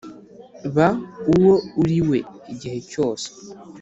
ba uwo uri we igihe cyose,